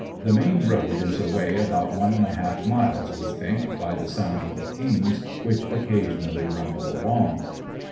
The main road is away about one and a half miles we think by the sound of the teams which occasionally rumble along.